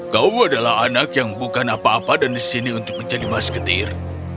kau adalah anak yang bukan apa apa dan di sini untuk menjadi mas getir